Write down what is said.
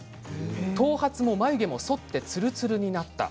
頭髪も眉毛もそってつるつるになった。